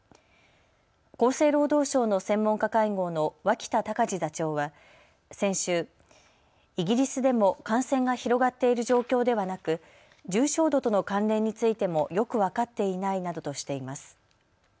厚生労働省の専門家会合の脇田隆字座長は先週、イギリスでも感染が広がっている状況ではなく重症度との関連についてもよく分かっていないなどとしています。